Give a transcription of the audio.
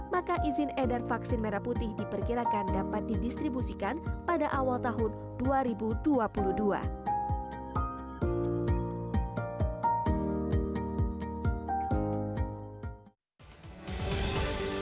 maka izin edar vaksin merah putih diperkirakan dapat didistribusikan pada awal tahun dua ribu dua puluh dua